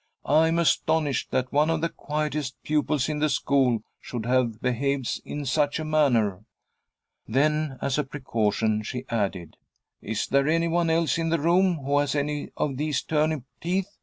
"I'm astonished that one of the quietest pupils in the school should have behaved in such a manner." Then as a precaution she added, "Is there any one else in the room who has any of these turnip teeth?